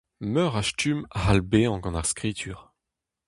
Meur a stumm a c'hall bezañ gant ar skritur.